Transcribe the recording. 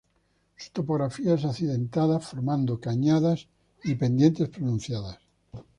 Su topografía es accidentada, formando cañadas y pendientes pronunciadas.